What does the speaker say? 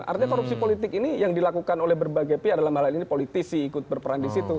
artinya korupsi politik ini yang dilakukan oleh berbagai pihak dalam hal ini politisi ikut berperan di situ